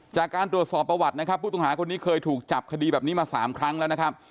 จากการตรวจสอบประวัตินะครับผู้ต้องหาคนนี้เคยถูกจับคดีแบบนี้มา๓ครั้งแล้วนะครับ